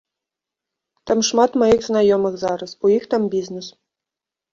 Там шмат маіх знаёмых зараз, у іх там бізнэс.